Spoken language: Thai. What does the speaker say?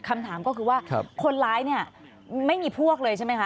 คำถามก็คือว่าคนร้ายเนี่ยไม่มีพวกเลยใช่ไหมคะ